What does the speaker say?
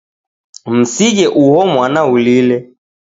Msighe uho mwana ulile.